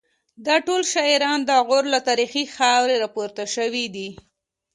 دا ټول شاعران د غور له تاریخي خاورې راپورته شوي دي